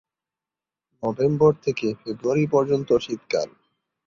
November থেকে February পর্যন্ত শীতকাল।